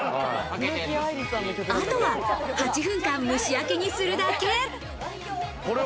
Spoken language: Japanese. あとは８分間、蒸し焼きにするだけ。